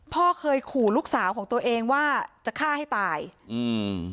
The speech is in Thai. พ่อเคยขู่ลูกสาวของตัวเองว่าจะฆ่าให้ตายอืม